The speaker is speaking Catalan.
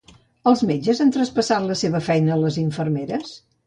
Els metges han traspassat la seva feina a les infermeres ?